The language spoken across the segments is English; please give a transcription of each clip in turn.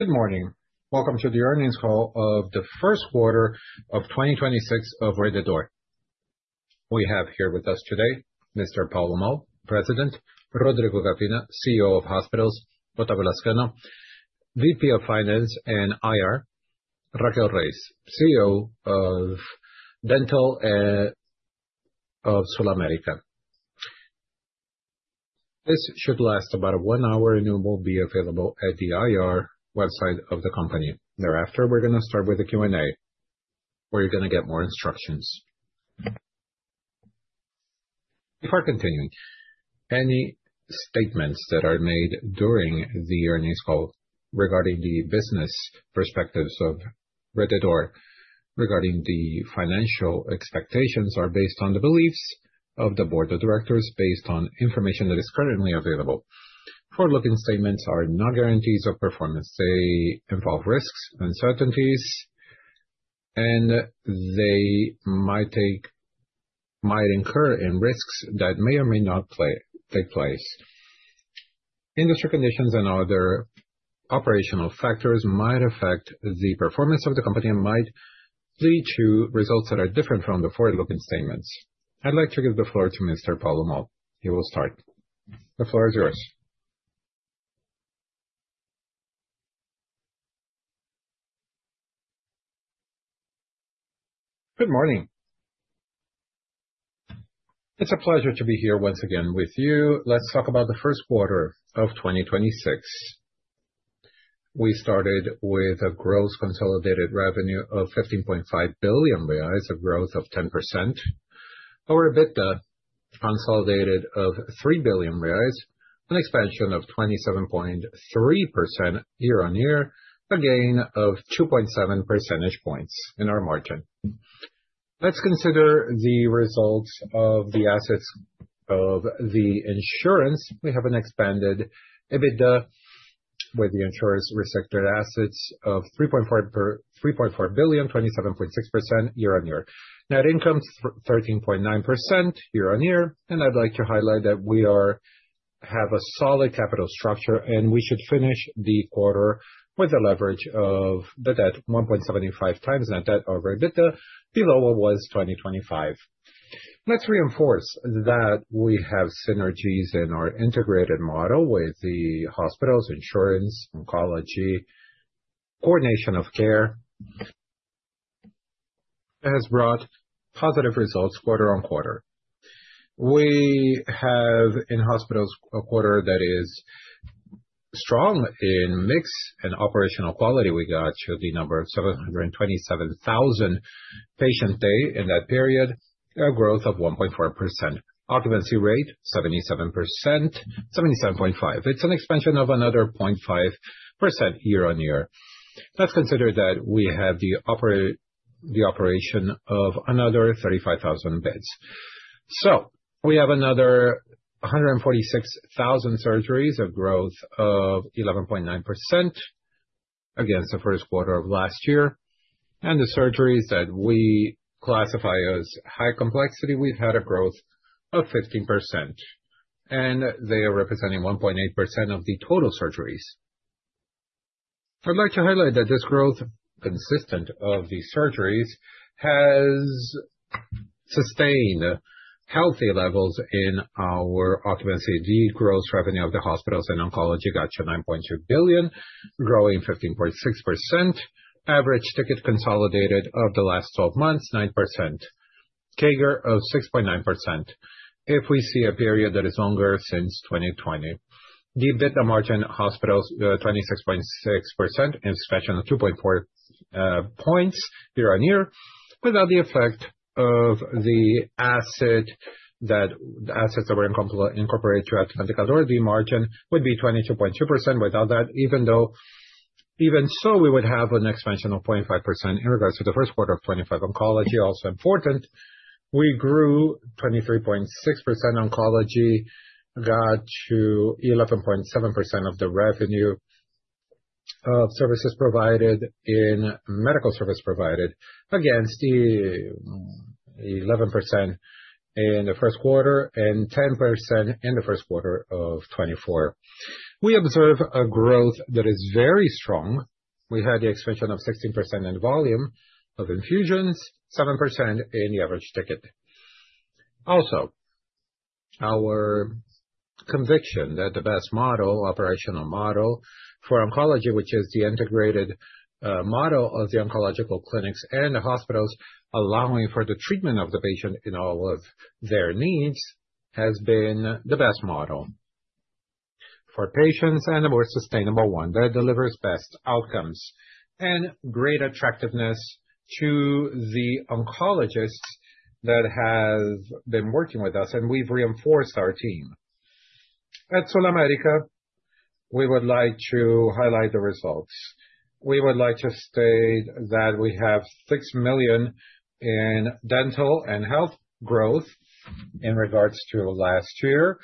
Good morning. Welcome to the earnings call of the first quarter of 2026 of Rede D'Or. We have here with us today Mr. Paulo Moll, President. Rodrigo Gavina, CEO of Hospitals. Otávio Lazcano, Vice-President of Finance and IR. Raquel Reis, CEO of Dental of SulAmérica. This should last about one hour and it will be available at the IR website of the company. Thereafter, we're gonna start with the Q&A where you're gonna get more instructions. Before continuing, any statements that are made during the earnings call regarding the business perspectives of Rede D'Or, regarding the financial expectations, are based on the beliefs of the Board of Directors, based on information that is currently available. Forward-looking statements are not guarantees of performance. They involve risks, uncertainties, they might incur in risks that may or may not take place. Industry conditions and other operational factors might affect the performance of the company and might lead to results that are different from the forward-looking statements. I'd like to give the floor to Mr. Paulo Moll. He will start. The floor is yours. Good morning. It's a pleasure to be here once again with you. Let's talk about the first quarter of 2026. We started with a gross consolidated revenue of 15.5 billion reais, a growth of 10%. Our EBITDA consolidated of 3 billion reais, an expansion of 27.3% year-on-year, a gain of 2.7 percentage points in our margin. Let's consider the results of the assets of the insurance. We have an expanded EBITDA with the insurance restricted assets of 3.4 billion, 27.6% year-on-year. Net income 13.9% year-on-year. I'd like to highlight that we have a solid capital structure, and we should finish the quarter with a leverage of the debt 1.75 times net debt over EBITDA, below what was 2025. Let's reinforce that we have synergies in our integrated model with the hospitals, insurance, oncology, coordination of care, has brought positive results quarter-on-quarter. We have in hospitals a quarter that is strong in mix and operational quality. We got to the number of 727,000 patient day in that period, a growth of 1.4%. Occupancy rate 77.5%. It's an expansion of another 0.5% year-on-year. Let's consider that we have the operation of another 35,000 beds. We have another 146,000 surgeries, a growth of 11.9% against the first quarter of last year. The surgeries that we classify as high complexity, we've had a growth of 15%, and they are representing 1.8% of the total surgeries. I'd like to highlight that this growth consistent of the surgeries has sustained healthy levels in our occupancy. The gross revenue of the hospitals and oncology got to 9.2 billion, growing 15.6%. Average ticket consolidated of the last 12 months, 9%. CAGR of 6.9% if we see a period that is longer since 2020. The EBITDA margin hospitals, 26.6%, expansion of 2.4 points year-on-year. Without the effect of the assets that were incorporated throughout 2024, the margin would be 22.2% without that. Even so, we would have an expansion of 0.5% in regards to the first quarter of 2025 oncology. Also important, we grew 23.6% oncology, got to 11.7% of the revenue of services provided in medical service provided against 11% in the first quarter and 10% in the first quarter of 2024. We observe a growth that is very strong. We had the expansion of 16% in volume of infusions, 7% in the average ticket. Our conviction that the best model, operational model for oncology, which is the integrated model of the oncological clinics and the hospitals, allowing for the treatment of the patient in all of their needs, has been the best model for patients and a more sustainable one that delivers best outcomes and great attractiveness to the oncologists that has been working with us, and we've reinforced our team. At SulAmérica, we would like to highlight the results. We would like to state that we have 6 million in dental and health growth in regards to last year.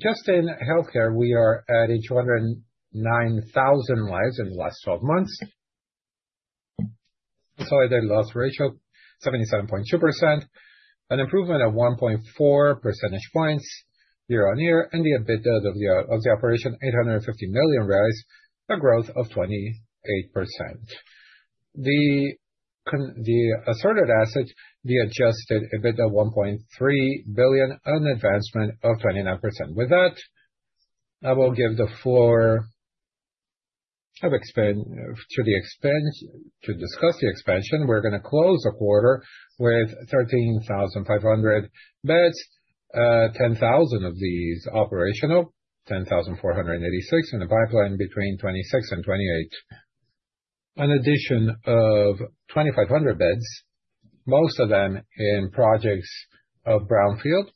Just in healthcare, we are at 809,000 lives in the last 12 months. Solid loss ratio 77.2%, an improvement of 1.4 percentage points year on year and the EBITDA of the operation 850 million, a growth of 28%. The adjusted EBITDA 1.3 billion, an advancement of 29%. With that, I will give the floor to discuss the expansion. We're gonna close the quarter with 13,500 beds, 10,000 of these operational, 10,486 in the pipeline between 26 and 28. An addition of 2,500 beds, most of them in projects of brownfield,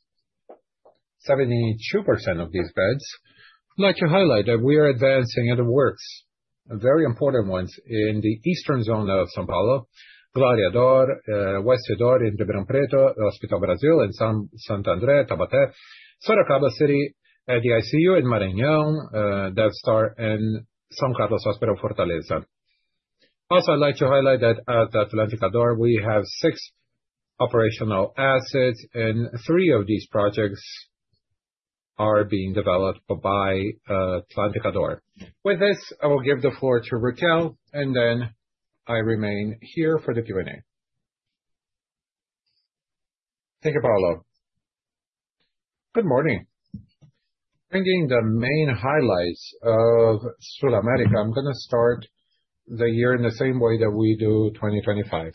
72% of these beds. I'd like to highlight that we are advancing other works, very important ones in the eastern zone of São Paulo, Glória D'Or, Oeste D'Or in Ribeirão Preto, Hospital Brasil in Santo André, Taubaté, Sorocaba City, the ICU in Maranhão, that star in Hospital São Carlos Fortaleza. Also, I'd like to highlight that at Atlântica D'Or we have six operational assets, and three of these projects are being developed by Atlântica D'Or. With this, I will give the floor to Raquel, and then I remain here for the Q&A. Thank you, Paulo. Good morning. Bringing the main highlights of SulAmérica, I'm gonna start the year in the same way that we do 2025.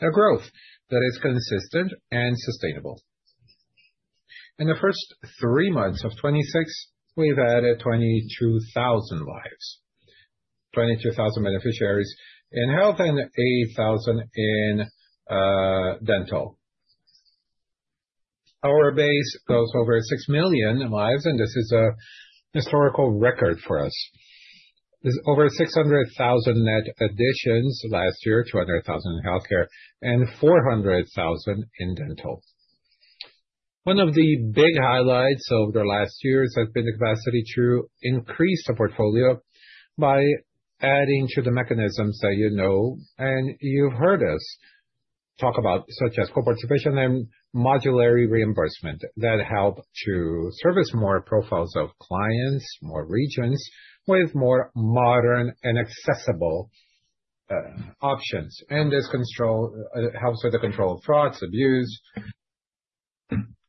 The growth that is consistent and sustainable. In the first three months of 2026 we've added 22,000 lives. 22,000 beneficiaries in health and 8,000 in dental. Our base goes over 6 million lives, and this is a historical record for us. There's over 600,000 net additions last year, 200,000 in healthcare and 400,000 in dental. One of the big highlights over the last years has been the capacity to increase the portfolio by adding to the mechanisms that you know and you've heard us talk about, such as co-participation and modularity reimbursement that help to service more profiles of clients, more regions with more modern and accessible options. This control helps with the control of frauds, abuse,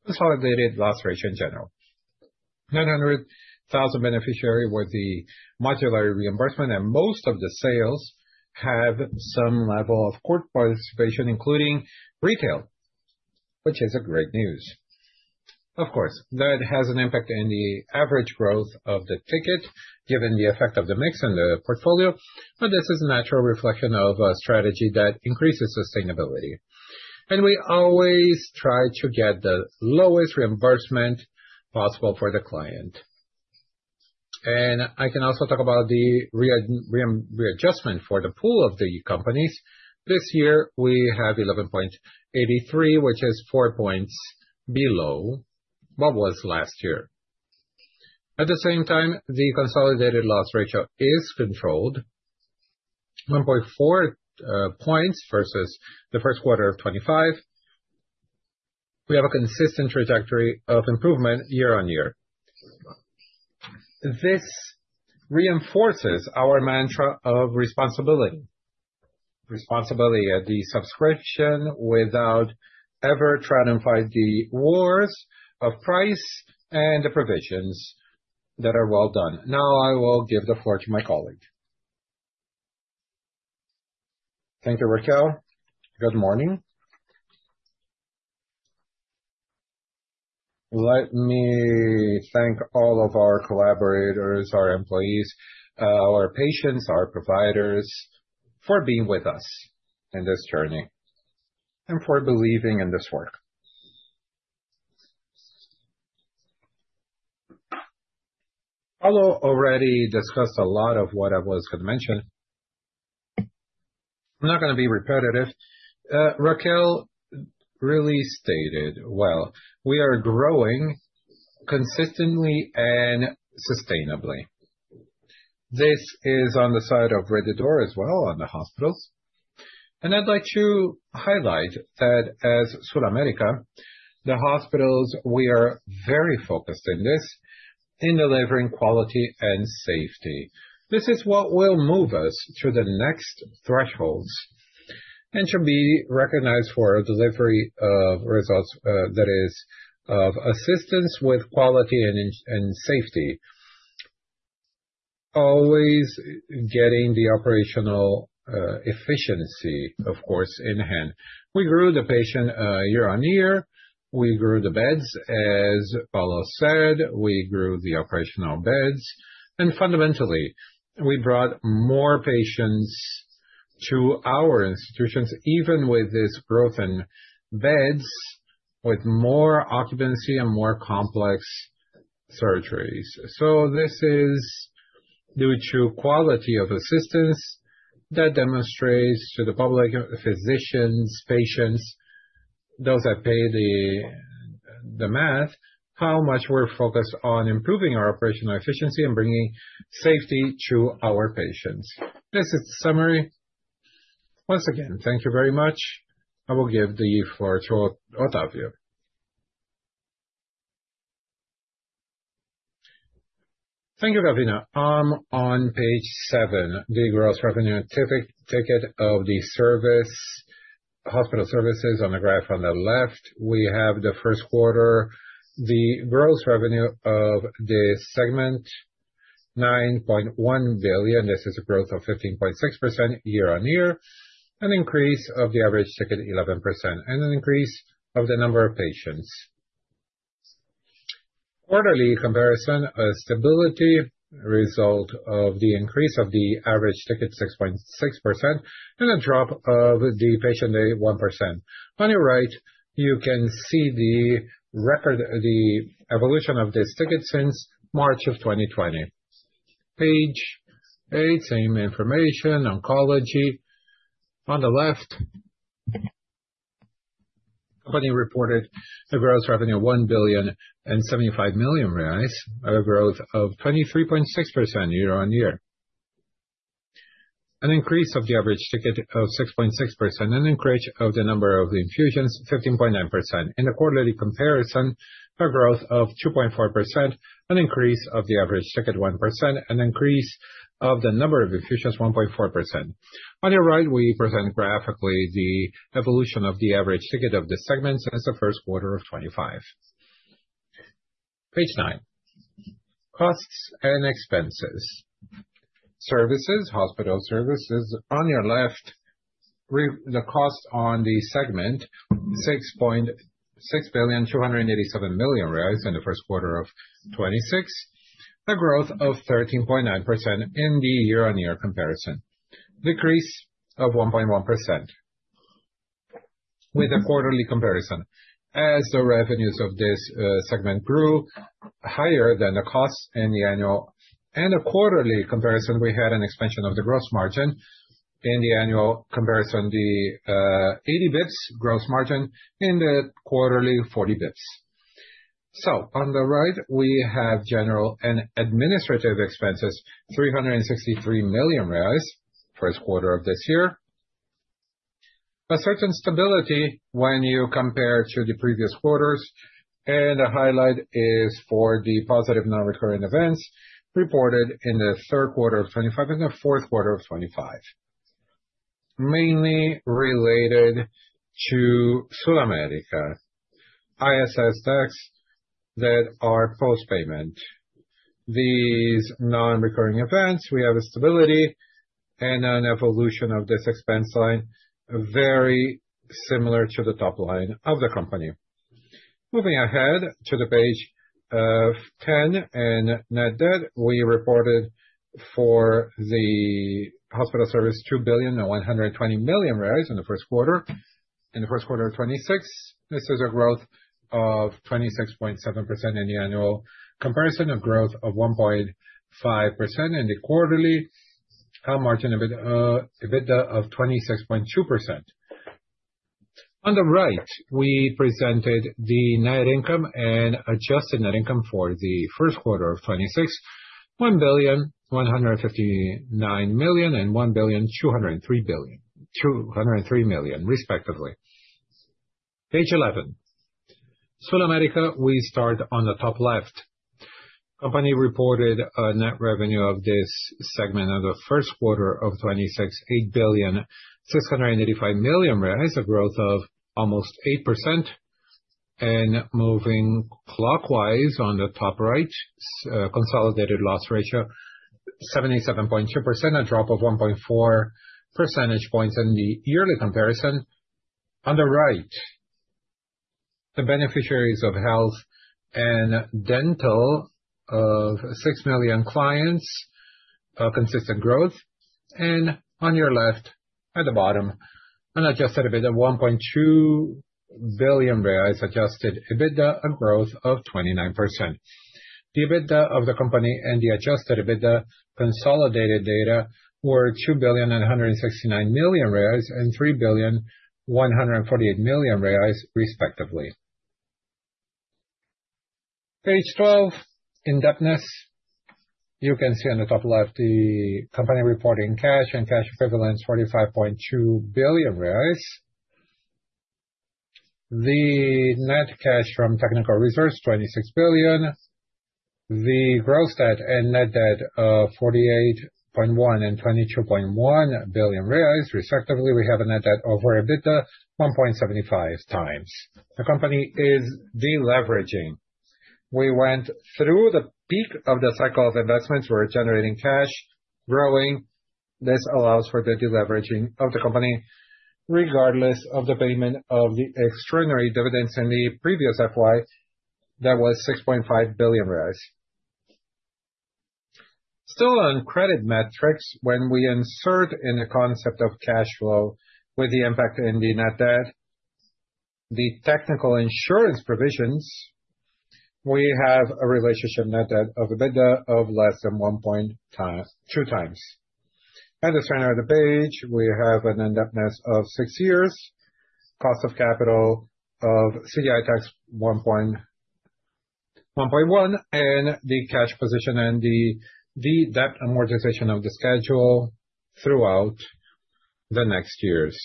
consolidated loss ratio in general. 900,000 beneficiary with the modular reimbursement and most of the sales have some level of co-participation, including retail, which is a great news. Of course, that has an impact in the average growth of the ticket given the effect of the mix and the portfolio, but this is a natural reflection of a strategy that increases sustainability. We always try to get the lowest reimbursement possible for the client. I can also talk about the readjustment for the pool of the companies. This year we have 11.83, which is 4 points below what was last year. At the same time, the consolidated loss ratio is controlled 1.4 points versus the first quarter of 2025. We have a consistent trajectory of improvement year-on-year. This reinforces our mantra of responsibility. Responsibility at the subscription without ever trying to fight the wars of price and the provisions that are well done. Now I will give the floor to my colleague. Thank you, Raquel. Good morning. Let me thank all of our collaborators, our employees, our patients, our providers for being with us in this journey and for believing in this work. Paulo already discussed a lot of what I was gonna mention. I'm not gonna be repetitive. Raquel really stated, well, we are growing consistently and sustainably. This is on the side of Rede D'Or as well on the hospitals. I'd like to highlight that as SulAmérica, the hospitals, we are very focused in this, in delivering quality and safety. This is what will move us to the next thresholds and should be recognized for delivery of results, that is of assistance with quality and safety. Always getting the operational efficiency, of course, in hand. We grew the patient year on year. We grew the beds, as Paulo said. We grew the operational beds. Fundamentally, we brought more patients to our institutions, even with this growth in beds, with more occupancy and more complex surgeries. This is due to quality of assistance that demonstrates to the public, physicians, patients, those that pay The math, how much we're focused on improving our operational efficiency and bringing safety to our patients. This is the summary. Once again, thank you very much. I will give the floor to Otávio. Thank you, Gavina. On page seven, the gross revenue ticket of the service, hospital services. On the graph on the left, we have the first quarter, the gross revenue of the segment, 9.1 billion. This is a growth of 15.6% year-on-year, an increase of the average ticket 11%, and an increase of the number of patients. Quarterly comparison, stability result of the increase of the average ticket 6.6% and a drop of the patient day 1%. On your right, you can see the evolution of this ticket since March of 2020. Page eight, same information, oncology. On the left, company reported a gross revenue of 1 billion 75 million, a growth of 23.6% year-on-year. An increase of the average ticket of 6.6%, an increase of the number of the infusions 15.9%. In the quarterly comparison, a growth of 2.4%, an increase of the average ticket 1%, an increase of the number of infusions 1.4%. On your right, we present graphically the evolution of the average ticket of the segments as the first quarter of 2025. Page nine, costs and expenses. Services, hospital services. On your left, the cost on the segment, 6.287 billion in the first quarter of 2026. A growth of 13.9% in the year-on-year comparison. Decrease of 1.1% with the quarterly comparison. As the revenues of this segment grew higher than the costs in the annual and the quarterly comparison, we had an expansion of the gross margin. In the annual comparison, the 80 basis points gross margin, in the quarterly, 40 basis points. On the right, we have general and administrative expenses, 363 million reais, first quarter of this year. A certain stability when you compare to the previous quarters. The highlight is for the positive non-recurring events reported in the third quarter of 2025 and the fourth quarter of 2025, mainly related to SulAmérica ISS tax that are post-payment. These non-recurring events, we have a stability and an evolution of this expense line, very similar to the top line of the company. Moving ahead to the page 10 and net debt. We reported for the hospital service 2.12 billion in the first quarter of 2026. This is a growth of 26.7% in the annual comparison, a growth of 1.5% in the quarterly, a margin of EBITDA of 26.2%. On the right, we presented the net income and adjusted net income for the first quarter of 2026, 1,159 million and 1,203 million, respectively. Page 11, SulAmérica. We start on the top left. Company reported a net revenue of this segment at the first quarter of 2026, 8,685 million reais, a growth of almost 8%. Moving clockwise on the top right, consolidated loss ratio, 77.2%, a drop of 1.4 percentage points in the yearly comparison. On the right, the beneficiaries of health and dental of 6 million clients, consistent growth. On your left at the bottom, an adjusted EBITDA, 1.2 billion reais adjusted EBITDA, a growth of 29%. The EBITDA of the company and the adjusted EBITDA consolidated data were 2.169 billion and 3.148 billion reais respectively. Page 12, indebtedness. You can see on the top left the company reporting cash and cash equivalents, 45.2 billion reais. The net cash from technical reserves, 26 billion. The gross debt and net debt of 48.1 billion and 22.1 billion reais respectively. We have a net debt over EBITDA 1.75x. The company is de-leveraging. We went through the peak of the cycle of investments. We're generating cash, growing. This allows for the de-leveraging of the company regardless of the payment of the extraordinary dividends in the previous FY. That was 6.5 billion reais. Still on credit metrics, when we insert in a concept of cash flow with the impact in the net debt, the technical insurance provisions. We have a relationship net debt to EBITDA of less than 2x. At the center of the page, we have an indebtedness of six years, cost of capital of CDI tax 1.1, and the cash position and the debt amortization of the schedule throughout the next years.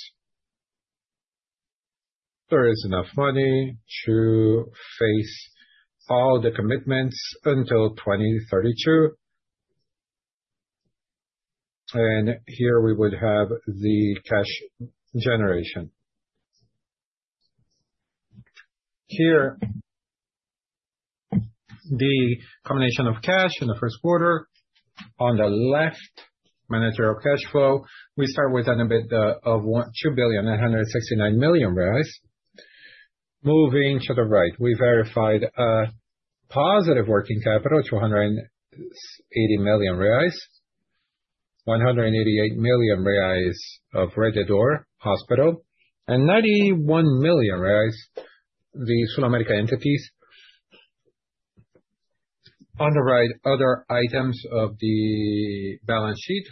There is enough money to face all the commitments until 2032. Here we would have the cash generation. Here, the combination of cash in the first quarter. On the left, managerial cash flow. We start with an EBITDA of 2 billion, 969 million. Moving to the right, we verified a positive working capital, 280 million reais. 188 million reais of Rede D'Or Hospital, and 91 million reais, the SulAmérica entities. On the right, other items of the balance sheet.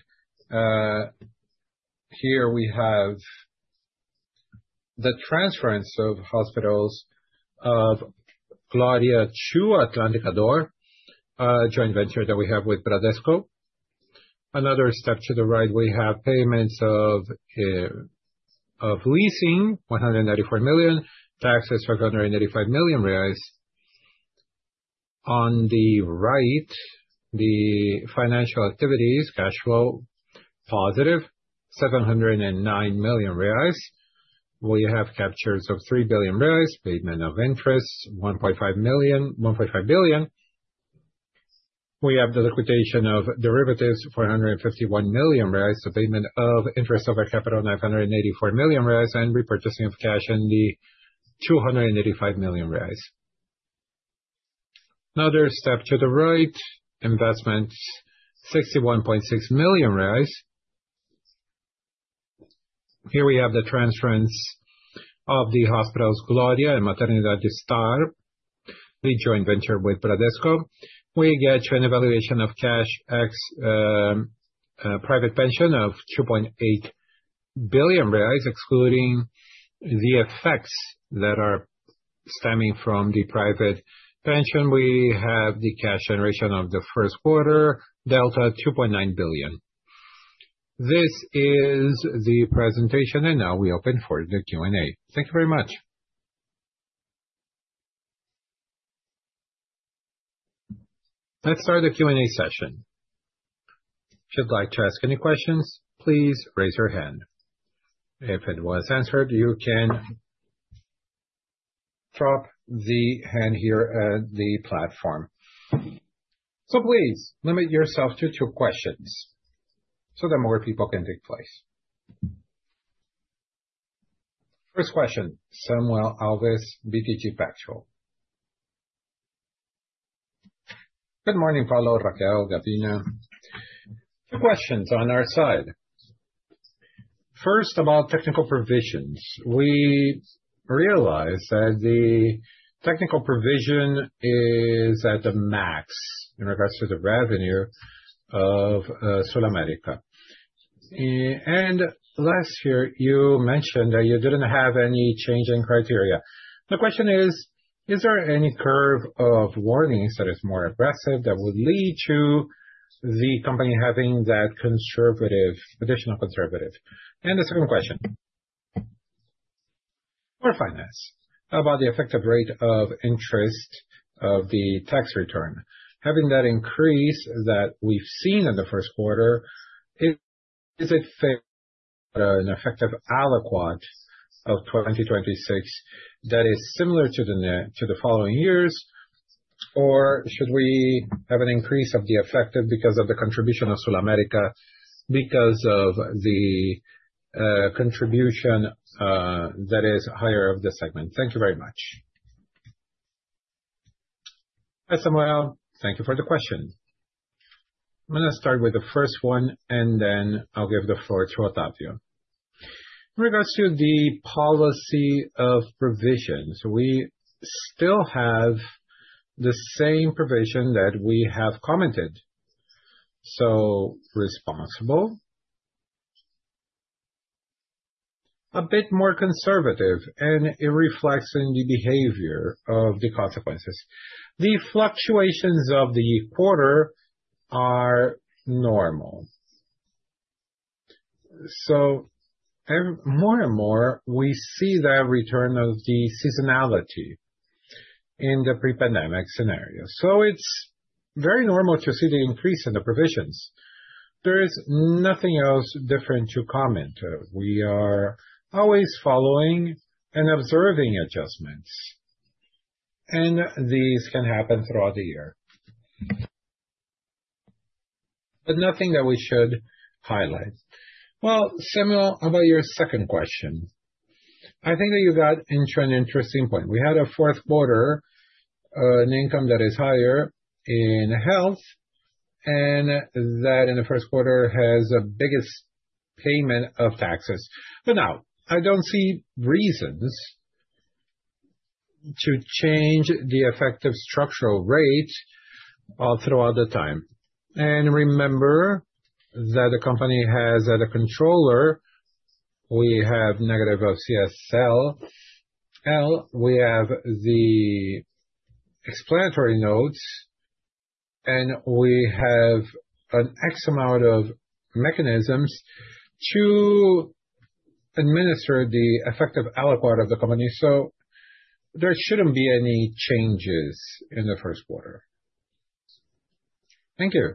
Here we have the transference of hospitals of Rede D'Or to Atlântica D'Or, a joint venture that we have with Bradesco. Another step to the right, we have payments of leasing, 194 million. Taxes, 495 million reais. On the right, the financial activities, cash flow positive, 709 million reais. We have captures of 3 billion reais, payment of interest, 1.5 billion. We have the liquidation of derivatives, 451 million reais. The payment of interest of our capital, 984 million reais, and repurchasing of cash in the 285 million reais. Another step to the right, investment BRL 61.6 million. Here we have the transference of the hospitals Glória and Maternidade São Luiz Star, the joint venture with Bradesco. We get to an evoluation of cash ex private pension of 2.8 billion reais, excluding the effects that are stemming from the private pension. We have the cash generation of the first quarter delta 2.9 billion. This is the presentation. Now we open for the Q&A. Thank you very much. Let's start the Q&A session. If you'd like to ask any questions, please raise your hand. If it was answered, you can drop the hand here at the platform. Please limit yourself to two questions so that more people can take place. First question, Samuel Alves, BTG Pactual. Good morning, Paulo, Raquel, Gavina. Two questions on our side. First, about technical provisions. We realized that the technical provision is at the max in regards to the revenue of SulAmérica. Last year you mentioned that you didn't have any change in criteria. The question is: Is there any curve of warnings that is more aggressive that would lead to the company having that additional conservative? The second question. For finance, how about the effective rate of interest of the tax return? Having that increase that we've seen in the first quarter, is it fair an effective aliquot of 2026 that is similar to the following years? Should we have an increase of the effective because of the contribution of SulAmérica because of the contribution that is higher of the segment? Thank you very much. Hi, Samuel. Thank you for the question. I'm gonna start with the 1st one and then I'll give the floor to Otávio. In regards to the policy of provisions, we still have the same provision that we have commented. Responsible, a bit more conservative, and it reflects in the behavior of the consequences. The fluctuations of the quarter are normal. More and more we see the return of the seasonality in the pre-pandemic scenario. It's very normal to see the increase in the provisions. There is nothing else different to comment. We are always following and observing adjustments, and these can happen throughout the year. Nothing that we should highlight. Well, Samuel, how about your 2nd question? I think that you got into an interesting point. We had a fourth quarter, an income that is higher in health. That in the first quarter has a biggest payment of taxes. Now I don't see reasons to change the effective structural rate throughout the time. Remember that the company has as a controller, we have negative CSLL, we have the explanatory notes, and we have an X amount of mechanisms to administer the effective output of the company. There shouldn't be any changes in the first quarter. Thank you.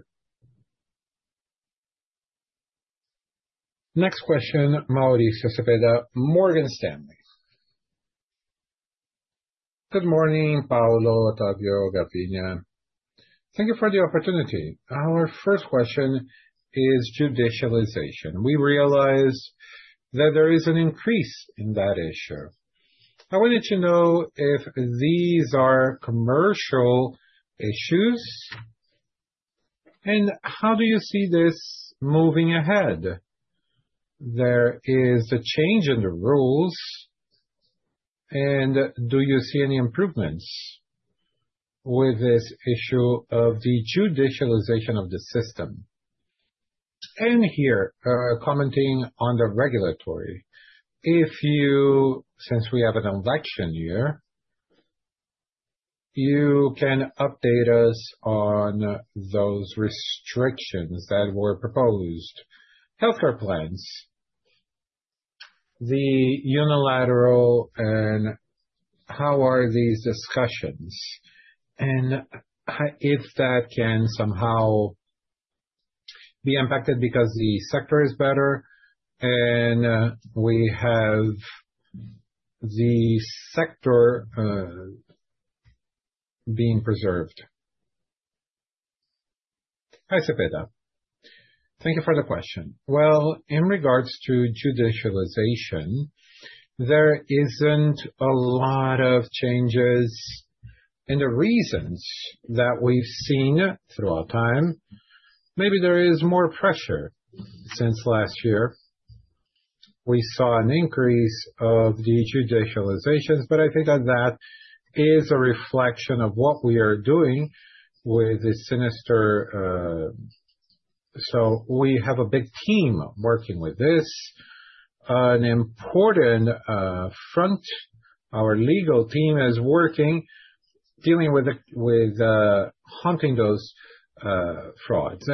Next question, Mauricio Cepeda, Morgan Stanley. Good morning, Paulo, Otávio, Gavina. Thank you for the opportunity. Our first question is judicialization. We realize that there is an increase in that issue. I wanted to know if these are commercial issues, and how do you see this moving ahead? There is a change in the rules, and do you see any improvements with this issue of the judicialization of the system? Here, commenting on the regulatory, since we have an election year, you can update us on those restrictions that were proposed. Healthcare plans, the unilateral and how are these discussions? If that can somehow be impacted because the sector is better and we have the sector being preserved. Hi, Cepeda. Thank you for the question. Well, in regards to judicialization, there isn't a lot of changes in the reasons that we've seen throughout time. Maybe there is more pressure since last year. We saw an increase of the judicializations, but I think that that is a reflection of what we are doing with the claims. We have a big team working with this, an important front. Our legal team is working, dealing with hunting those frauds.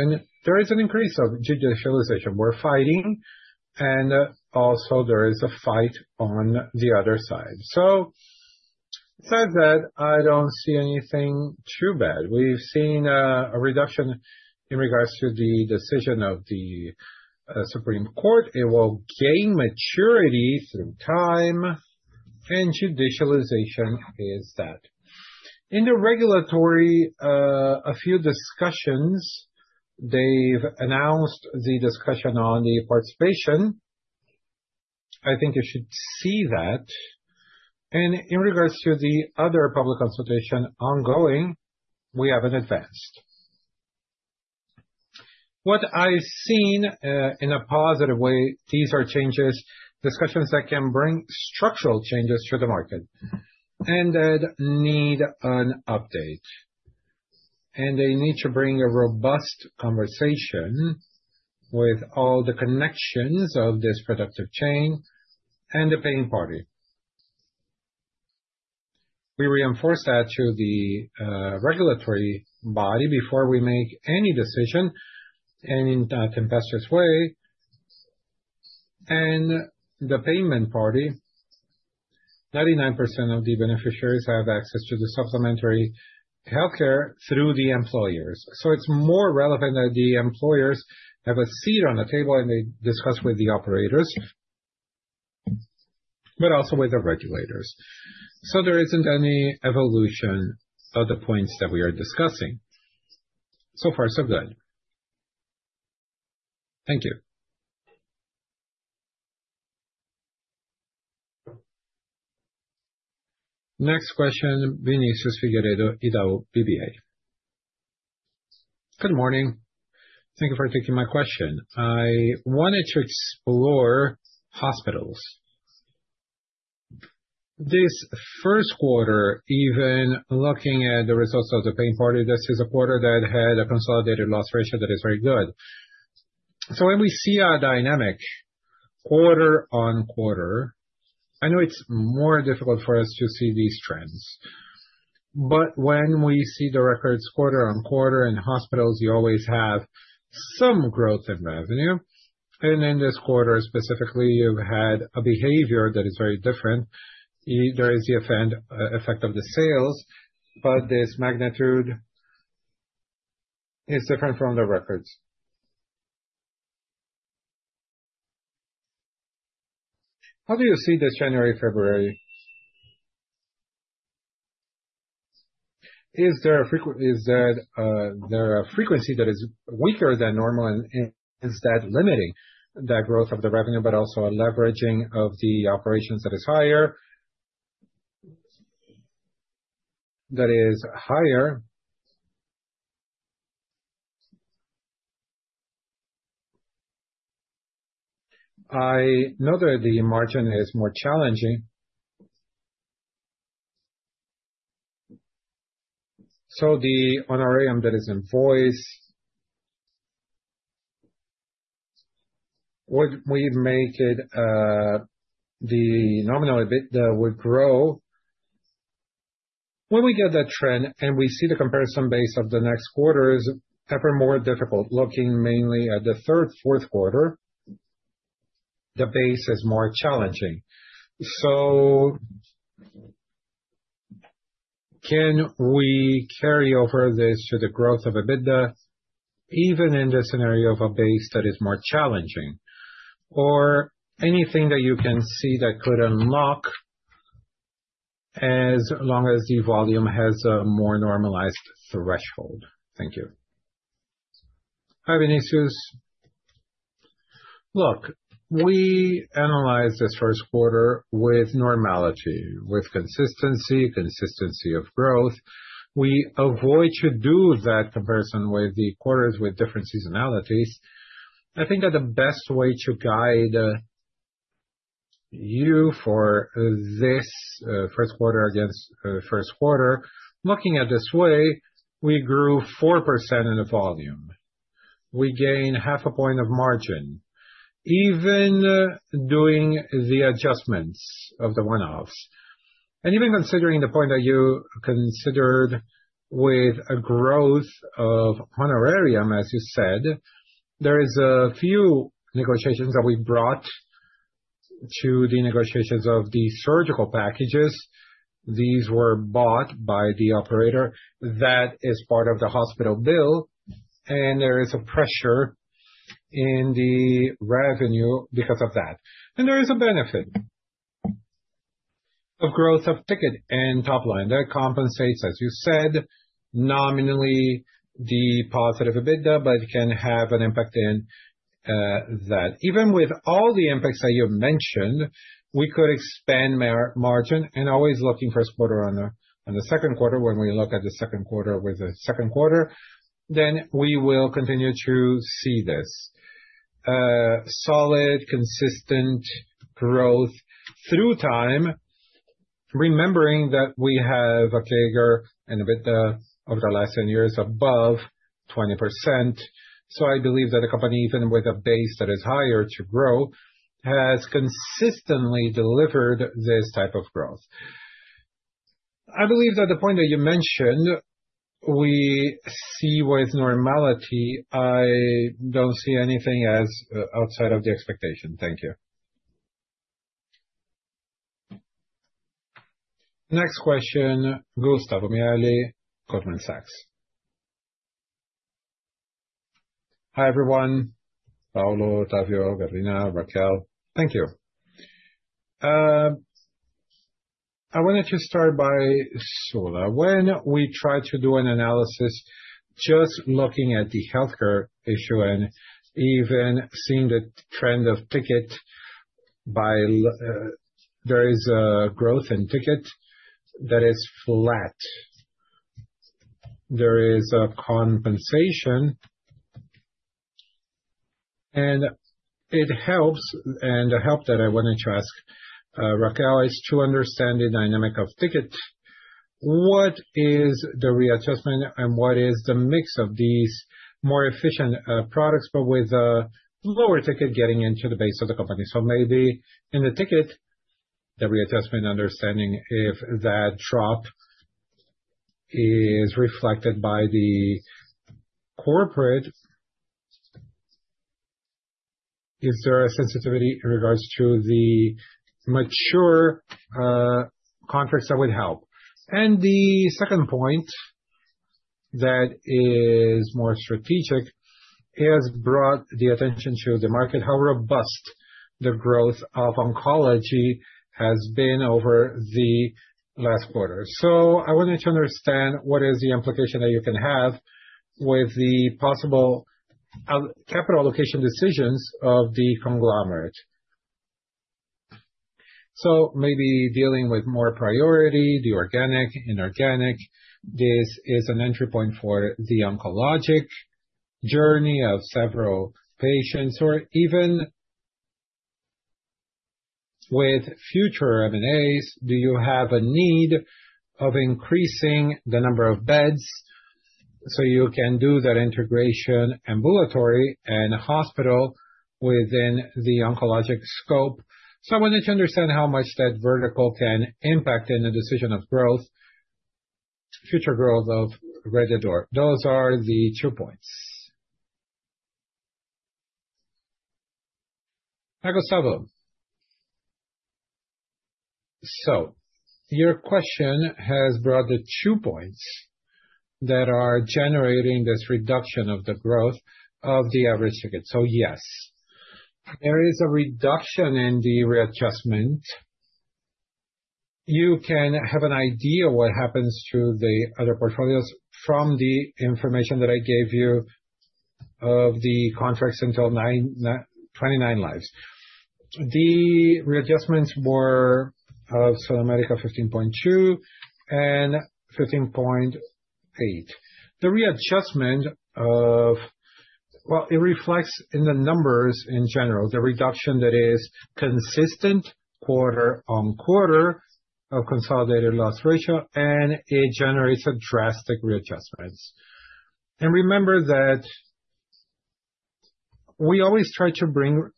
There is an increase of judicialization. We're fighting. Also there is a fight on the other side. Said that, I don't see anything too bad. We've seen a reduction in regards to the decision of the Supreme Federal Court. It will gain maturity through time. Judicialization is that. In the regulatory, a few discussions, they've announced the discussion on the participation. I think you should see that. In regards to the other public consultation ongoing, we haven't advanced. What I've seen in a positive way, these are changes, discussions that can bring structural changes to the market and that need an update. They need to bring a robust conversation with all the connections of this productive chain and the paying party. We reinforce that to the regulatory body before we make any decision in a tempestuous way. The payment party, 99% of the beneficiaries have access to the supplementary healthcare through the employers. It's more relevant that the employers have a seat on the table, and they discuss with the operators, but also with the regulators. There isn't any evolution of the points that we are discussing. Far so good. Thank you. Next question, Vinicius Figueiredo, Itaú BBA. Good morning. Thank you for taking my question. I wanted to explore hospitals. This first quarter, even looking at the results of the paying party, this is a quarter that had a consolidated loss ratio that is very good. When we see a dynamic quarter on quarter, I know it's more difficult for us to see these trends. When we see the records quarter on quarter in hospitals, you always have some growth in revenue. In this quarter specifically, you've had a behavior that is very different. There is the effect of the sales, but this magnitude is different from the records. How do you see this January, February? Is there a frequency that is weaker than normal and is that limiting that growth of the revenue but also a leveraging of the operations that is higher? I know that the margin is more challenging. The honorarium that is invoiced, would we make it, the nominal EBITDA would grow. When we get that trend and we see the comparison base of the next quarter is ever more difficult, looking mainly at the third, fourth quarter, the base is more challenging. Can we carry over this to the growth of EBITDA, even in the scenario of a base that is more challenging? Anything that you can see that could unlock as long as the volume has a more normalized threshold. Thank you, Hi Vinicius. Look, we analyzed this first quarter with normality, with consistency of growth. We avoid to do that comparison with the quarters with different seasonalities. I think that the best way to guide you for this first quarter against first quarter, looking at this way, we grew 4% in the volume. We gained half a point of margin, even doing the adjustments of the one-offs. Even considering the point that you considered with a growth of honorarium, as you said, there is a few negotiations that we brought to the negotiations of the surgical packages. These were bought by the operator. That is part of the hospital bill, and there is a pressure in the revenue because of that. There is a benefit of growth of ticket and top line. That compensates, as you said, nominally the positive EBITDA, but it can have an impact in that. Even with all the impacts that you mentioned, we could expand margin and always looking first quarter on the second quarter, when we look at the second quarter with the second quarter, then we will continue to see this solid, consistent growth through time, remembering that we have a CAGR and EBITDA over the last 10 years above 20%. I believe that a company, even with a base that is higher to grow, has consistently delivered this type of growth. I believe that the point that you mentioned, we see with normality, I don't see anything as outside of the expectation. Thank you. Next question, Gustavo Miele, Goldman Sachs. Hi, everyone. Paulo, Otávio, Gavina, Raquel. Thank you. I wanted to start by SulAmérica. When we try to do an analysis just looking at the healthcare issue and even seeing the trend of ticket by, there is a growth in ticket that is flat. There is a compensation and it helps. The help that I wanted to ask, Raquel, is to understand the dynamic of ticket. What is the readjustment and what is the mix of these more efficient, products but with a lower ticket getting into the base of the company? Maybe in the ticket, the readjustment understanding if that drop is reflected by the corporate, is there a sensitivity in regards to the mature, contracts that would help? The second point that is more strategic has brought the attention to the market how robust the growth of oncology has been over the last quarter. I wanted to understand what is the implication that you can have with the possible capital allocation decisions of the conglomerate. Maybe dealing with more priority, the organic, inorganic. This is an entry point for the oncologic journey of several patients. Even with future M&As, do you have a need of increasing the number of beds so you can do that integration ambulatory and hospital within the oncologic scope? I wanted to understand how much that vertical can impact in the decision of growth, future growth of Rede D'Or. Those are the two points. Hi, Gustavo. Your question has brought the two points that are generating this reduction of the growth of the average ticket. Yes, there is a reduction in the readjustment. You can have an idea what happens to the other portfolios from the information that I gave you. Of the contracts until 29 lives. The readjustments were of SulAmérica 15.2% and 13.8%. The readjustment of it reflects in the numbers in general, the reduction that is consistent quarter-over-quarter of consolidated loss ratio, and it generates a drastic readjustments. Remember that we always try to bring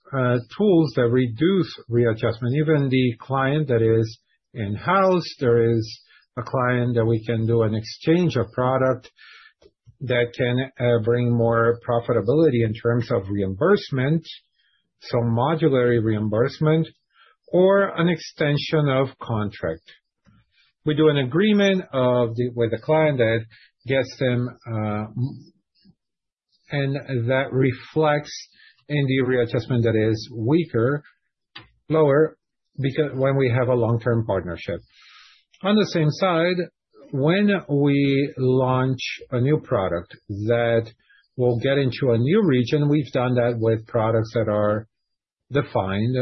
tools that reduce readjustment. Even the client that is in-house, there is a client that we can do an exchange of product that can bring more profitability in terms of reimbursement, so modularity reimbursement or an extension of contract. We do an agreement with the client that gets them, and that reflects in the readjustment that is weaker, lower, because when we have a long-term partnership. On the same side, when we launch a new product that will get into a new region, we've done that with products that are defined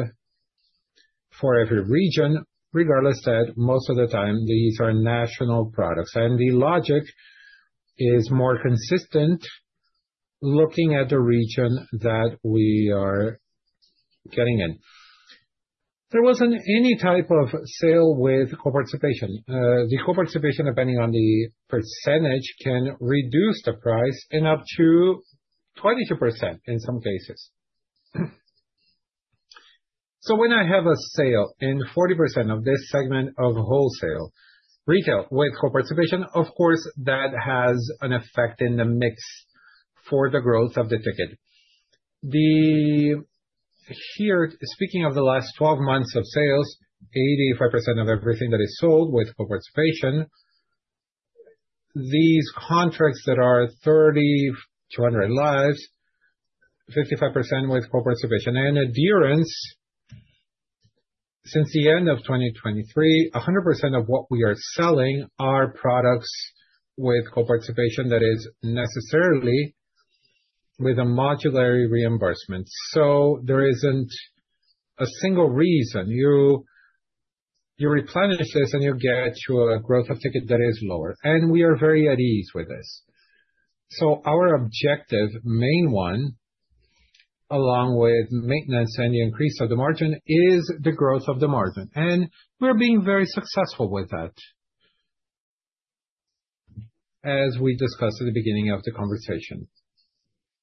for every region, regardless that most of the time these are national products. The logic is more consistent looking at the region that we are getting in. There wasn't any type of sale with co-participation. The co-participation, depending on the percentage, can reduce the price in up to 22% in some cases. When I have a sale in 40% of this segment of wholesale retail with co-participation, of course, that has an effect in the mix for the growth of the ticket. Here, speaking of the last 12 months of sales, 85% of everything that is sold with co-participation, these contracts that are 30-100 lives, 55% with co-participation. Adherence since the end of 2023, 100% of what we are selling are products with co-participation that is necessarily with a modularity reimbursement. There isn't a single reason. You replenish this and you get to a growth of ticket that is lower. We are very at ease with this. Our objective, main one, along with maintenance and the increase of the margin, is the growth of the margin. We're being very successful with that, as we discussed at the beginning of the conversation.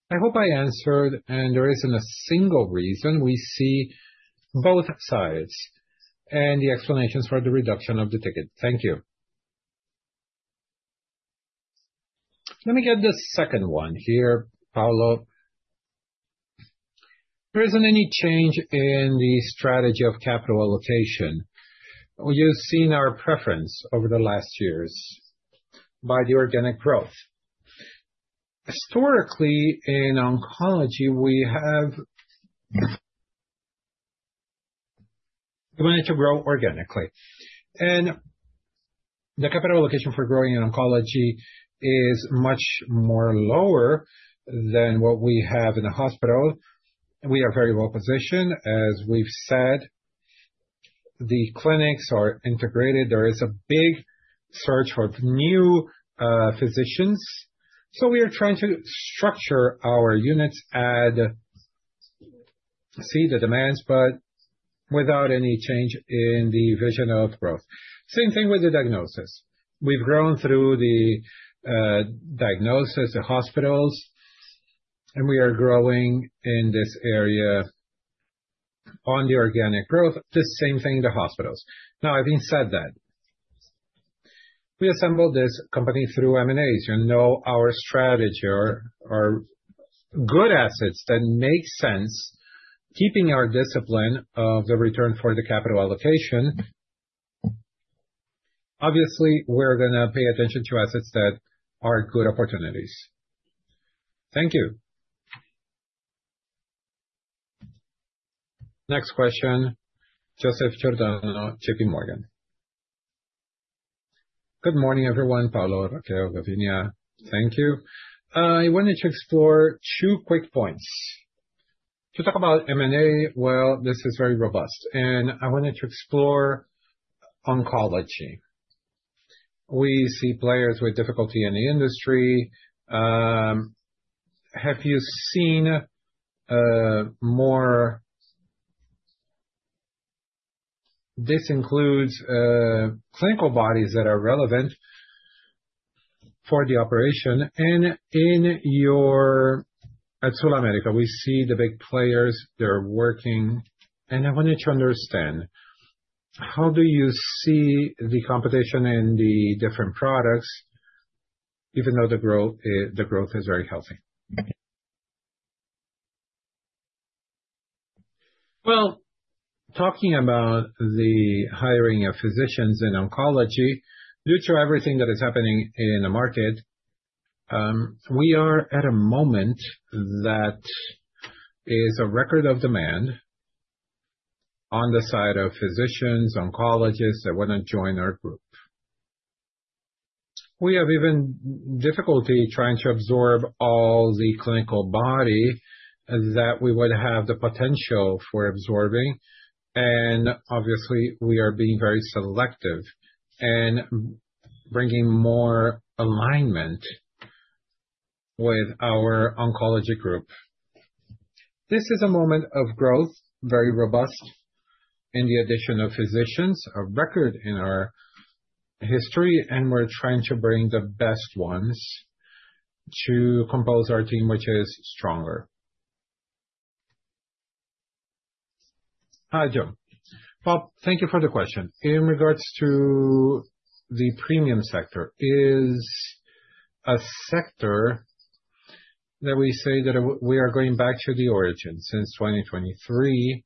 I hope I answered, and there isn't a single reason we see both sides and the explanations for the reduction of the ticket. Thank you. Let me get the second one here, Paulo. There isn't any change in the strategy of capital allocation. You've seen our preference over the last years by the organic growth. Historically, in oncology, we have wanted to grow organically, and the capital allocation for growing in oncology is much more lower than what we have in the hospital. We are very well positioned. As we've said, the clinics are integrated. There is a big search for new physicians. We are trying to structure our units at, see the demands, but without any change in the vision of growth. Same thing with the diagnosis. We've grown through the diagnosis, the hospitals, and we are growing in this area on the organic growth. The same thing, the hospitals. Now, having said that, we assembled this company through M&As. You know our strategy are good assets that make sense, keeping our discipline of the return for the capital allocation. Obviously, we're gonna pay attention to assets that are good opportunities. Thank you. Next question, Joseph Giordano, JPMorgan. Good morning, everyone. Paulo, Raquel, Gavina, thank you. I wanted to explore two quick points. To talk about M&A, well, this is very robust, and I wanted to explore oncology. We see players with difficulty in the industry. Have you seen? This includes clinical bodies that are relevant for the operation. At SulAmérica, we see the big players, they're working, and I wanted to understand, how do you see the competition in the different products, even though the growth is very healthy? Well, talking about the hiring of physicians in oncology, due to everything that is happening in the market, we are at a moment that is a record of demand on the side of physicians, oncologists that wanna join our group. We have even difficulty trying to absorb all the clinical body that we would have the potential for absorbing. Obviously, we are being very selective and bringing more alignment with our oncology group. This is a moment of growth, very robust in the addition of physicians, a record in our history, We're trying to bring the best ones to compose our team, which is stronger. Hi, Joe. Well, thank you for the question. In regards to the premium sector, is a sector that we say that we are going back to the origin. Since 2023,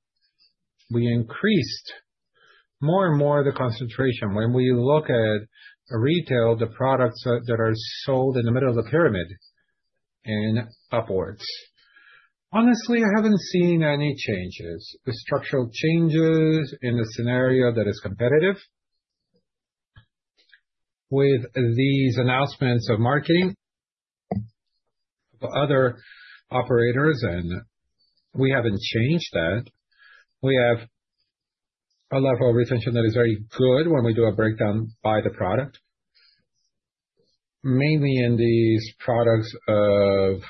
we increased more and more the concentration. When we look at retail, the products that are sold in the middle of the pyramid and upwards. Honestly, I haven't seen any changes, structural changes in a scenario that is competitive with these announcements of marketing for other operators. We haven't changed that. We have a level of retention that is very good when we do a breakdown by the product, mainly in these products of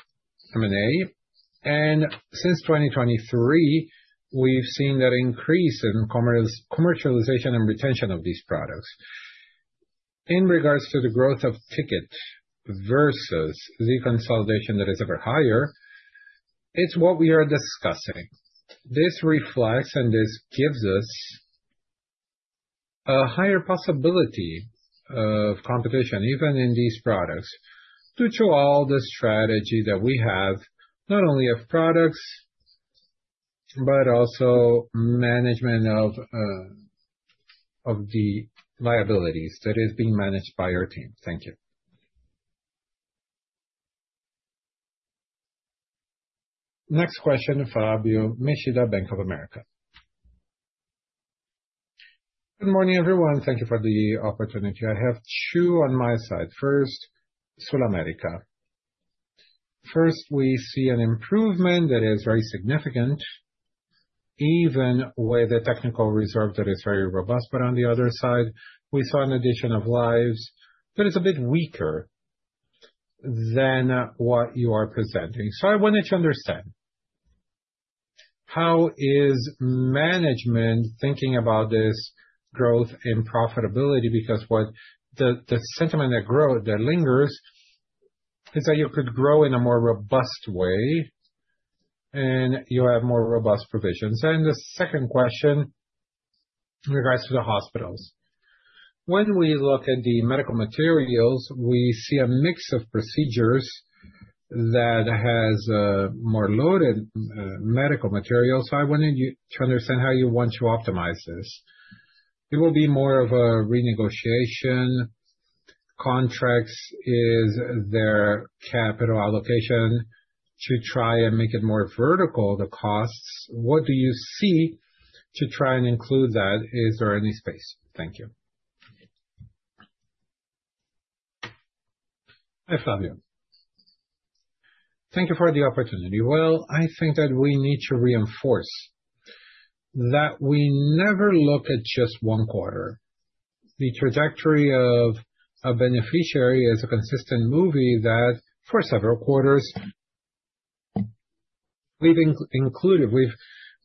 M&A. Since 2023, we've seen that increase in commercialization and retention of these products. In regards to the growth of ticket versus the consolidation that is ever higher, it's what we are discussing. This reflects, this gives us a higher possibility of competition, even in these products, due to all the strategy that we have, not only of products, but also management of the liabilities that is being managed by our team. Thank you. Next question, Flavio Yoshida, Bank of America. Good morning, everyone. Thank you for the opportunity. I have two on my side. First, SulAmérica. First, we see an improvement that is very significant, even with a technical reserve that is very robust. On the other side, we saw an addition of lives that is a bit weaker than what you are presenting. I wanted to understand, how is management thinking about this growth in profitability? Because what the sentiment that lingers is that you could grow in a more robust way, and you have more robust provisions. The second question regards to the hospitals. When we look at the medical materials, we see a mix of procedures that has more loaded medical materials. I wanted you to understand how you want to optimize this. It will be more of a renegotiation contracts. Is there capital allocation to try and make it more vertical, the costs? What do you see to try and include that? Is there any space? Thank you. Hi, Flavio. Thank you for the opportunity. I think that we need to reinforce that we never look at just one quarter. The trajectory of a beneficiary is a consistent movie that for several quarters we've included, we've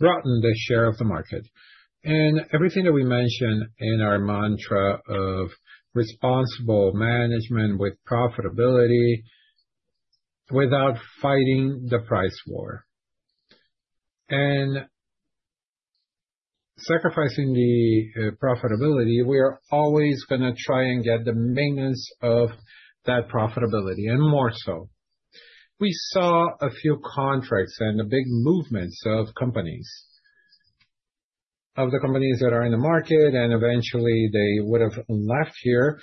gotten the share of the market. Everything that we mention in our mantra of responsible management with profitability without fighting the price war and sacrificing the profitability, we are always gonna try and get the maintenance of that profitability and more so. We saw a few contracts and the big movements of the companies that are in the market, and eventually they would have left here.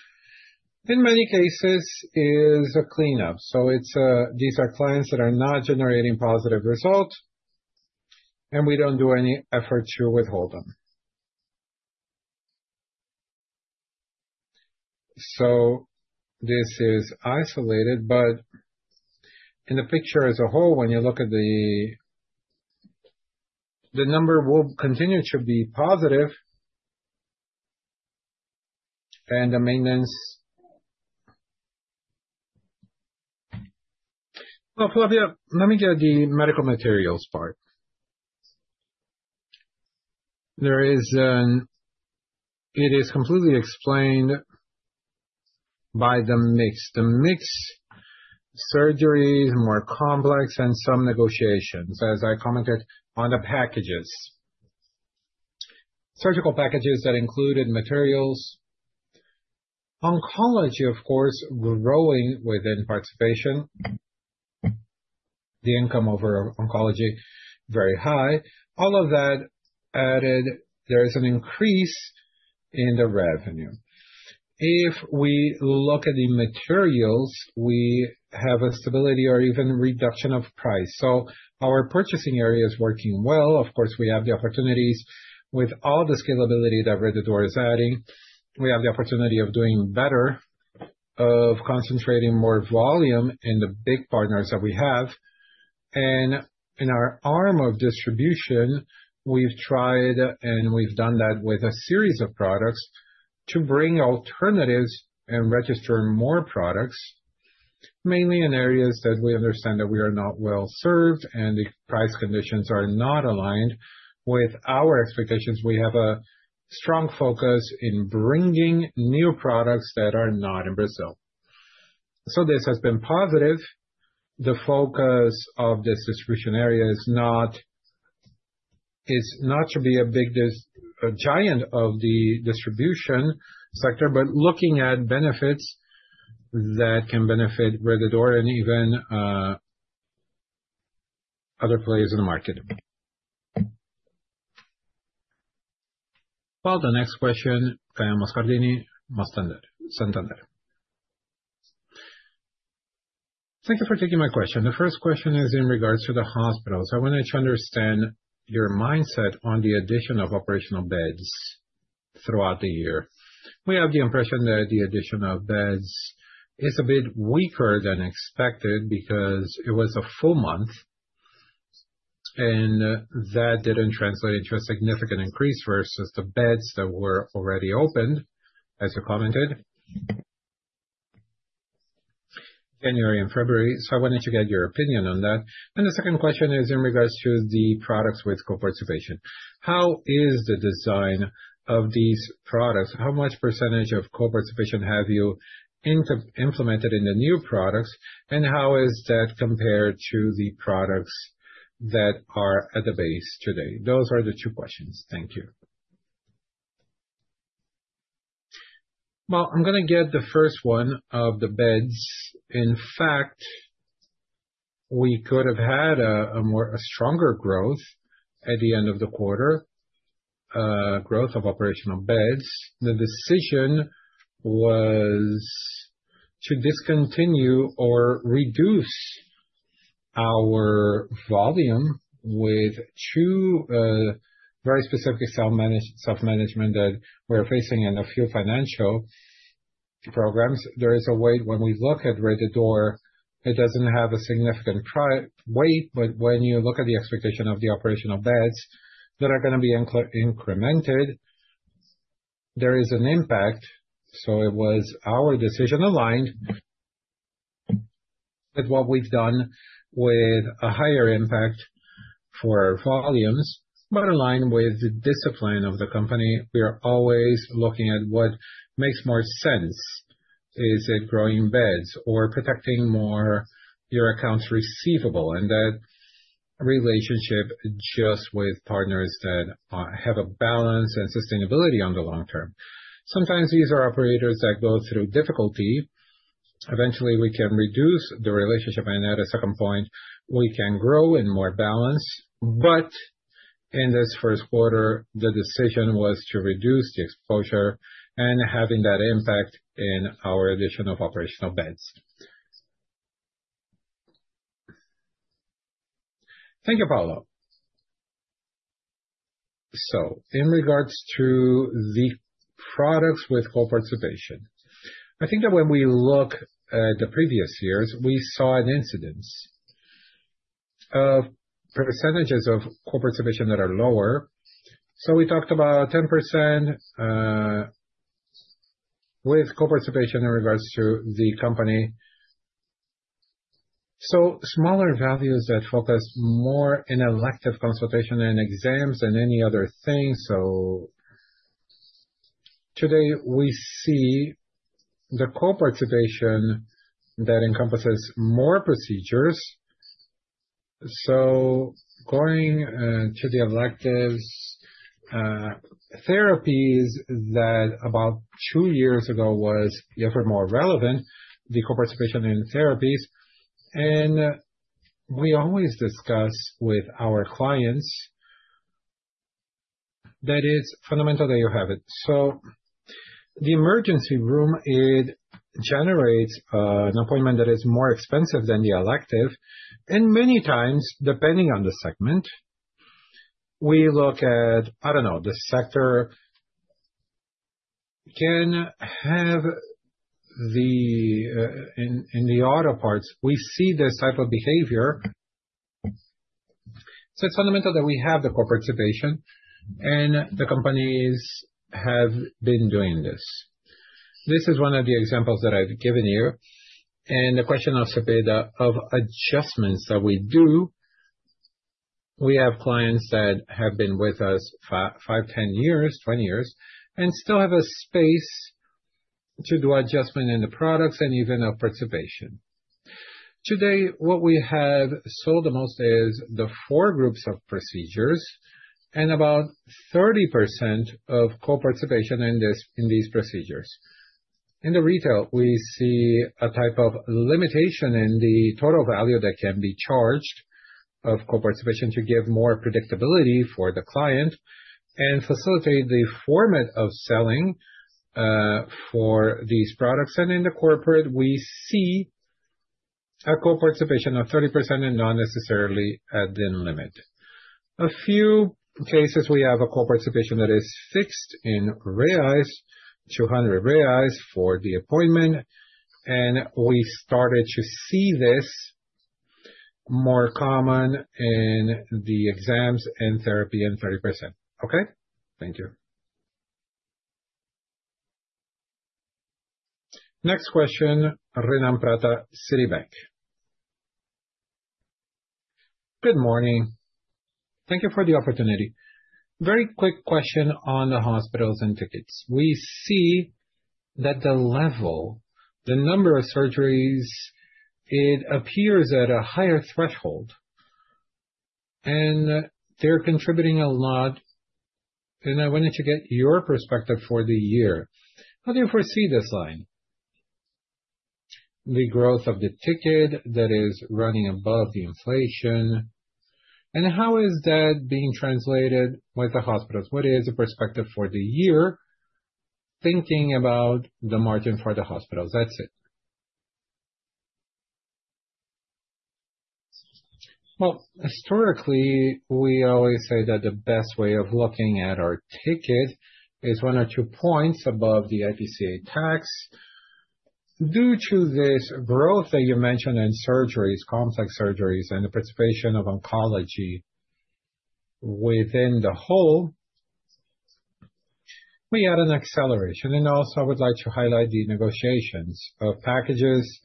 In many cases is a cleanup. It's, these are clients that are not generating positive results, and we don't do any effort to withhold them. This is isolated, but in the picture as a whole, when you look at the number will continue to be positive and the maintenance. Well, Flavio, let me get the medical materials part. It is completely explained by the mix. The mix surgeries, more complex, and some negotiations, as I commented on the packages. Surgical packages that included materials. Oncology, of course, growing within participation. The income over oncology, very high. All of that added, there is an increase in the revenue. If we look at the materials, we have a stability or even reduction of price. Our purchasing area is working well. Of course, we have the opportunities with all the scalability that Rede D'Or is adding. We have the opportunity of doing better, of concentrating more volume in the big partners that we have. In our arm of distribution, we've tried and we've done that with a series of products to bring alternatives and register more products, mainly in areas that we understand that we are not well-served and the price conditions are not aligned with our expectations. We have a strong focus in bringing new products that are not in Brazil. This has been positive. The focus of this distribution area is not to be a big giant of the distribution sector, but looking at benefits that can benefit Rede D'Or and even other players in the market. Well, the next question, Caio Mascardini, Santander. Thank you for taking my question. The first question is in regards to the hospitals. I wanted to understand your mindset on the addition of operational beds throughout the year. We have the impression that the addition of beds is a bit weaker than expected because it was a full month, and that didn't translate into a significant increase versus the beds that were already opened, as you commented, January and February. I wanted to get your opinion on that. The second question is in regards to the products with coparticipation. How is the design of these products? How much percentage of coparticipation have you implemented in the new products? How is that compared to the products that are at the base today? Those are the two questions. Thank you. Well, I'm gonna get the first one of the beds. In fact, we could have had a stronger growth at the end of the quarter, growth of operational beds. The decision was to discontinue or reduce our volume with two very specific self-management that we're facing in a few financial programs. There is a way when we look at Rede D'Or, it doesn't have a significant weight, but when you look at the expectation of the operational beds that are gonna be incremented, there is an impact. It was our decision aligned with what we've done with a higher impact for volumes, but aligned with the discipline of the company. We are always looking at what makes more sense. Is it growing beds or protecting more your accounts receivable? That relationship just with partners that have a balance and sustainability on the long term. Sometimes these are operators that go through difficulty. Eventually, we can reduce the relationship, and at a second point, we can grow in more balance. In this first quarter, the decision was to reduce the exposure and having that impact in our addition of operational beds. Thank you, Paulo. In regards to the products with coparticipation, I think that when we look at the previous years, we saw an incidence of percentages of coparticipation that are lower. We talked about 10% with coparticipation in regards to the company. Smaller values that focus more in elective consultation and exams than any other thing. Today, we see the coparticipation that encompasses more procedures. Going to the electives, therapies that about two years ago was even more relevant, the coparticipation in therapies. We always discuss with our clients that it's fundamental that you have it. The emergency room, it generates an appointment that is more expensive than the elective. Many times, depending on the segment, we look at, I don't know, the sector can have the in the auto parts, we see this type of behavior. It's fundamental that we have the coparticipation, and the companies have been doing this. This is one of the examples that I've given you. The question also be the of adjustments that we do. We have clients that have been with us five, 10 years, 20 years, and still have a space to do adjustment in the products and even coparticipation. Today, what we have sold the most is the four groups of procedures and about 30% of coparticipation in this, in these procedures. In the retail, we see a type of limitation in the total value that can be charged of co-participation to give more predictability for the client and facilitate the format of selling for these products. In the corporate, we see a co-participation of 30% and not necessarily at the limit. A few cases we have a co-participation that is fixed in reais, 200 reais for the appointment, and we started to see this more common in the exams and therapy and 30%. Okay. Thank you. Next question, Renan Prata, Citibank. Good morning. Thank you for the opportunity. Very quick question on the hospitals and tickets. We see that the level, the number of surgeries, it appears at a higher threshold, and they're contributing a lot, and I wanted to get your perspective for the year. How do you foresee this line? The growth of the ticket that is running above the inflation, how is that being translated with the hospitals? What is the perspective for the year, thinking about the margin for the hospitals? That's it. Well, historically, we always say that the best way of looking at our ticket is one or two points above the IPCA tax. Due to this growth that you mentioned in surgeries, complex surgeries, and the participation of oncology within the whole, we had an acceleration. Also, I would like to highlight the negotiations of packages,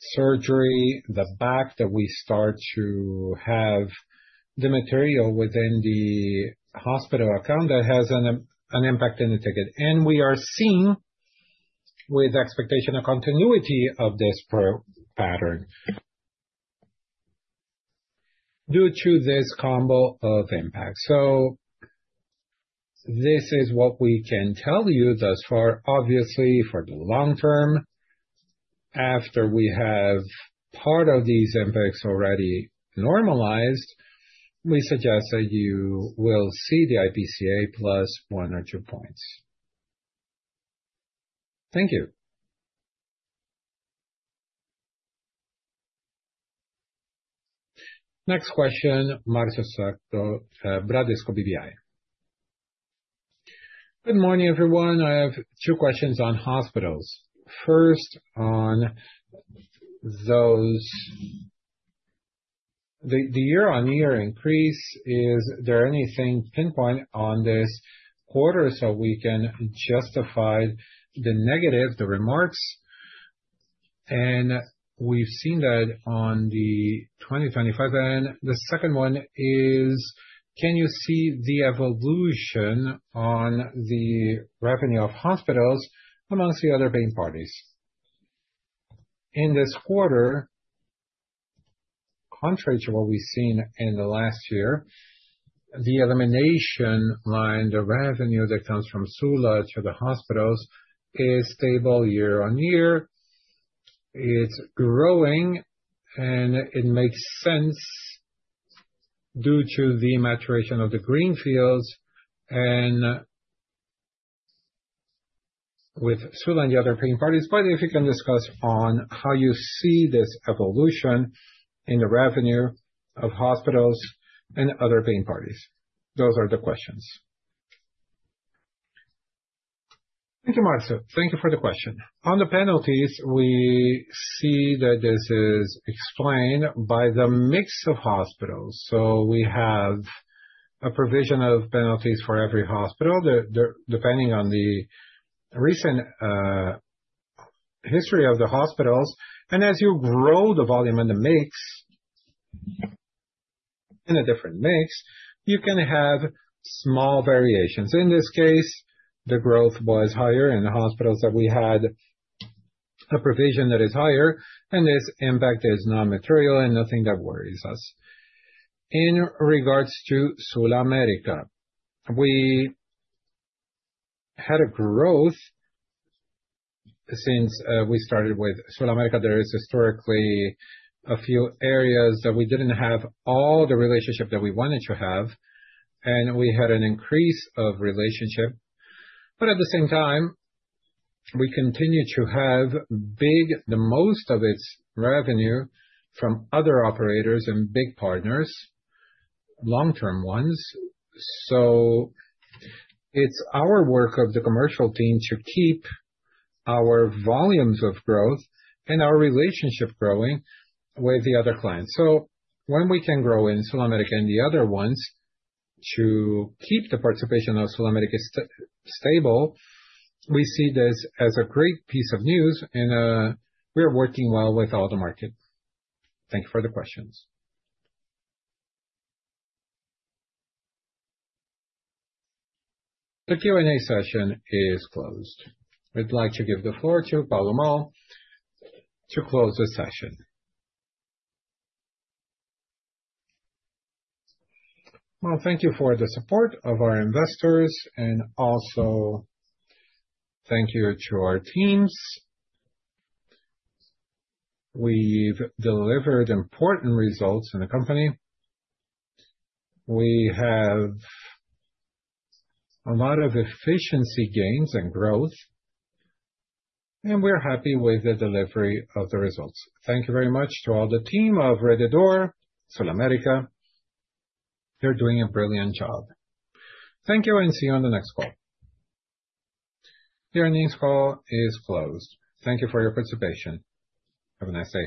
surgery, the fact that we start to have the material within the hospital account that has an impact in the ticket. We are seeing with expectation a continuity of this pro pattern due to this combo of impact. This is what we can tell you thus far. Obviously, for the long term, after we have part of these impacts already normalized, we suggest that you will see the IPCA plus one or two points. Thank you. Next question, Marcio Osako, Bradesco BBI. Good morning, everyone. I have two questions on hospitals. First, on the year-on-year increase, is there anything pinpoint on this quarter so we can justify the negative, the remarks? We've seen that on the 2025. The second one is, can you see the evolution on the revenue of hospitals amongst the other paying parties? In this quarter, contrary to what we've seen in the last year, the elimination line, the revenue that comes from Sula to the hospitals is stable year-on-year. It's growing, and it makes sense due to the maturation of the greenfields and with Sula and the other paying parties. If you can discuss on how you see this evolution in the revenue of hospitals and other paying parties. Those are the questions. Thank you, Marcio Osako. Thank you for the question. On the penalties, we see that this is explained by the mix of hospitals. We have a provision of penalties for every hospital depending on the recent history of the hospitals. As you grow the volume and the mix, in a different mix, you can have small variations. In this case, the growth was higher in the hospitals that we had a provision that is higher, and this impact is non-material and nothing that worries us. In regards to SulAmérica, we had a growth since we started with SulAmérica. There is historically a few areas that we didn't have all the relationship that we wanted to have, and we had an increase of relationship. At the same time, we continue to have the most of its revenue from other operators and big partners, long-term ones. It's our work of the commercial team to keep our volumes of growth and our relationship growing with the other clients. When we can grow in SulAmérica and the other ones to keep the participation of SulAmérica stable, we see this as a great piece of news and we are working well with all the markets. Thank you for the questions. The Q&A session is closed. We'd like to give the floor to Paulo Moll to close the session. Well, thank you for the support of our investors, and also thank you to our teams. We've delivered important results in the company. We have a lot of efficiency gains and growth, and we're happy with the delivery of the results. Thank you very much to all the team of Rede D'Or SulAmérica. They're doing a brilliant job. Thank you, and see you on the next call. The earnings call is closed. Thank you for your participation. Have a nice day.